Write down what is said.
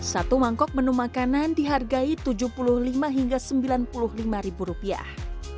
satu mangkok menu makanan dihargai tujuh puluh lima hingga sembilan puluh lima ribu rupiah